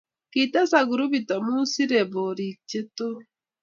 kitesak grupit amu serei borik che too.